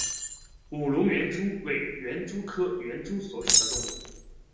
武隆园蛛为园蛛科园蛛属的动物。